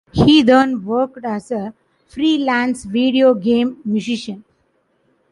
He then worked as a freelance video game musician.